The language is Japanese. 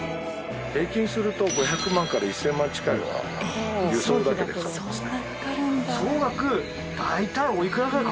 平均すると５００万から１０００万近くは輸送だけでかかりますね。